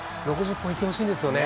６０本いってほしいですよね。